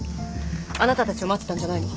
あなたたちを待ってたんじゃないの。